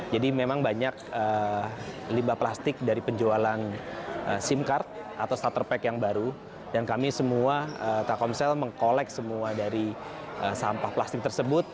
jadi memang banyak limbah plastik dari penjualan sim card atau starter pack yang baru dan kami semua telkomsel mengkolek semua dari sampah plastik tersebut